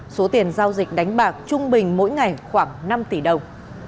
số tiền giao dịch đánh bạc trung bình mỗi ngày khoảng năm tỷ đồng